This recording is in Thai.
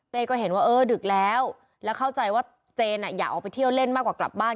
ก็เห็นว่าเออดึกแล้วแล้วเข้าใจว่าเจนอยากออกไปเที่ยวเล่นมากกว่ากลับบ้าน